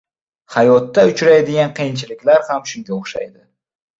– Hayotda uchraydigan qiyinchiliklar ham shunga oʻxshaydi.